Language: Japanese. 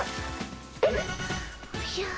おじゃ。